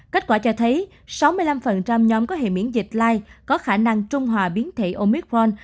kết quả cho thấy sáu mươi năm nhóm có hệ miễn dịch lai có khả năng trung hòa biến thể omicron